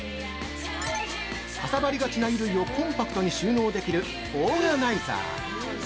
◆かさばりがちな衣類をコンパクトに収納できるオーガナイザー！